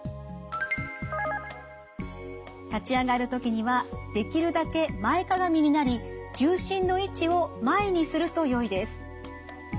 立ち上がるときにはできるだけ前屈みになり重心の位置を前にするとよいです。